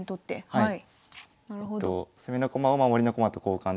はい。